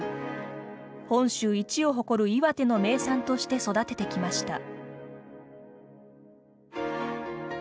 本州一を誇る岩手の名産として育ててきました。